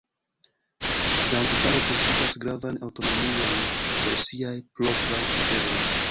Zanzibaro posedas gravan aŭtonomion por siaj propraj aferoj.